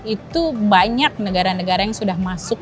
itu banyak negara negara yang sudah masuk